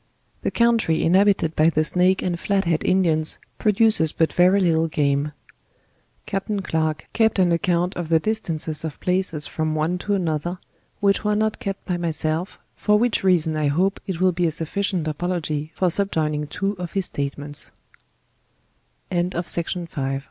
The country inhabited by the Snake and Flathead Indians produces but very little game. Captain Clarke kept an account of the distances of places from one to another; which were not kept by myself, for which raacon I hope it will Le a sufficient apdogy lor sub joining